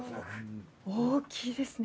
大きいですね。